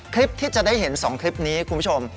คลิปที่จะได้เห็น๒คลิปนี้คุณผู้ชม